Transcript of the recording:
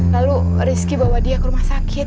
lalu rizky bawa dia ke rumah sakit